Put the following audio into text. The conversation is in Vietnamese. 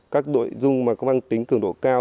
các nội dung mà có mang tính cường độ cao